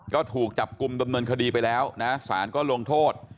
ก็ถูกจับกลุ่มดำเนินคดีไปแล้วนะสารก็ลงโทษ